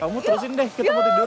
kamu terusin deh kita mau tidur